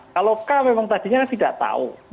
kalau k memang tadinya tidak tahu